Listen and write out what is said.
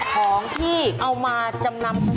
ของที่เอามาจำนำ